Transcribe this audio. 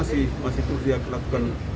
di darat dan laut